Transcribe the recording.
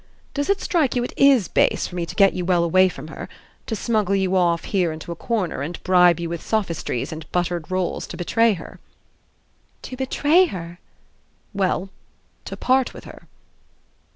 Does it strike you it IS base for me to get you well away from her, to smuggle you off here into a corner and bribe you with sophistries and buttered rolls to betray her?" "To betray her?" "Well to part with her."